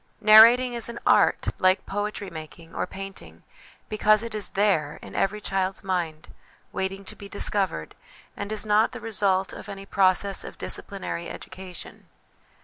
Narrating is an art, like poetry making or painting, because it is there, in every child's mind, waiting to be discovered, and is not the result of any process of disciplinary education.